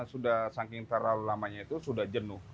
sudah saking terlalu lamanya itu sudah jenuh